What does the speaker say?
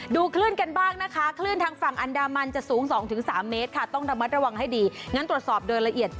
ดูคลื่นกันบ้างนะคะคลื่นทางฝั่งอันดามันจะสูง๒๓เมตรค่ะต้องระมัดระวังให้ดี